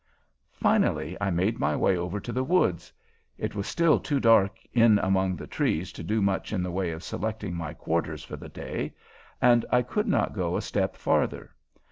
Finally, I made my way over to the woods. It was still too dark in among the trees to do much in the way of selecting my quarters for the day, and I could not go a step farther.